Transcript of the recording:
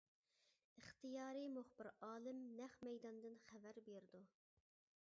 ئىختىيارىي مۇخبىر ئالىم نەق مەيداندىن خەۋەر بېرىدۇ.